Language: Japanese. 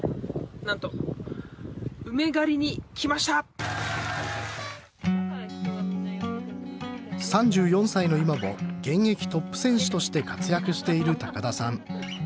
なんと３４歳の今も現役トップ選手として活躍している田さん。